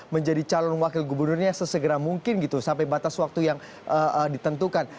menjadi calon wakil gubernurnya sesegera mungkin gitu sampai batas waktu yang ditentukan